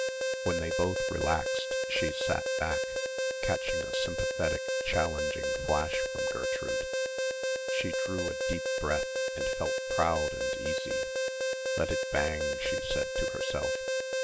When they both relaxed she sat back, catching a sympathetic challenging flash from Gertrude. She drew a deep breath and felt proud and easy. Let it bang, she said to herself.